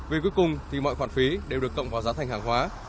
về cuối cùng thì mọi khoản phí đều được cộng vào giá thành hàng hóa